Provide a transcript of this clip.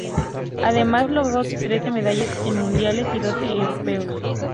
Además logró trece medallas en Mundiales y doce en Europeos.